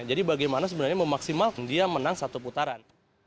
jadi bagaimana sebenarnya memaksimal dia menang satu putaran